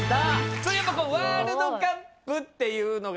それこそワールドカップっていうのが。